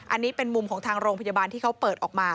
อันนี้เป็นมุมของทางโรงพยาบาลที่เขาเปิดออกมา